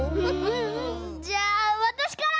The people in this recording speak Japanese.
うんじゃあわたしから！